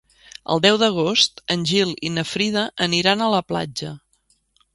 El deu d'agost en Gil i na Frida aniran a la platja.